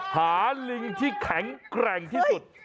หาลิงที่แข็งแกร่งที่สุด